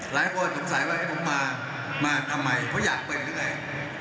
หลายคนสงสัยว่าผมมามาทำไมเขาอยากเป็นหรือไง